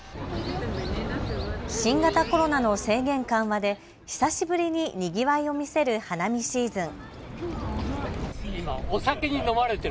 新型コロナの制限緩和で久しぶりににぎわいを見せる花見シーズン。